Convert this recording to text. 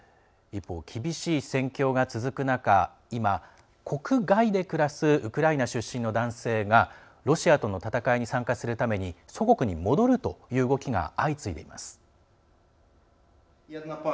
一方、厳しい戦況が続く中今、国外で暮らすウクライナ出身の男性がロシアとの戦いに参加するために祖国に戻るという動きが相次いでいます。